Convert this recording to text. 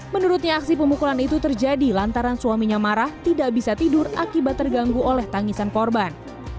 menurutnya aksi pemukulan itu terjadi lantaran suaminya marah tidak bisa tidur akibat terganggu oleh tangisan korban